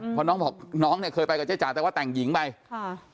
เพราะน้องบอกน้องเนี่ยเคยไปกับเจ๊จ๋าแต่ว่าแต่งหญิงไปค่ะ